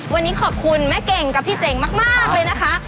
วันนี้ขอบคุณแม่เก่งกับพี่เจ๋งมากเลยนะคะ